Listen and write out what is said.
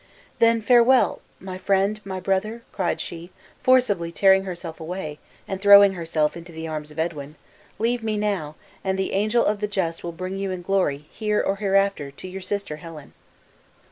"Then farewell, my friend, my brother!" cried she, forcibly tearing herself away, and throwing herself into the arms of Edwin; "leave me now; and the angel of the just will bring you in glory, here or hereafter, to your sister Helen."